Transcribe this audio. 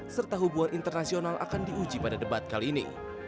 serta hubungan internasional akan diuji pada debat kali ini